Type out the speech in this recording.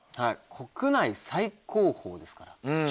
国内最高峰ですから。